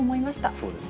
そうですね。